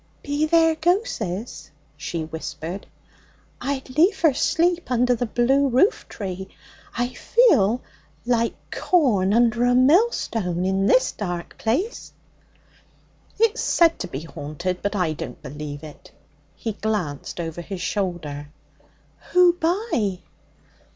'Be there ghosses?' she whispered. 'I'd liefer sleep under the blue roof tree. I feel like corn under a millstone in this dark place.' 'It's said to be haunted, but I don't believe it.' He glanced over his shoulder. 'Who by?'